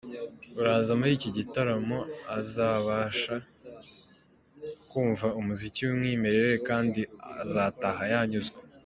Uzaza muri iki gitaramo azabasha kumva umuziki w’umwimerere kandi azataha yanyuzwe.”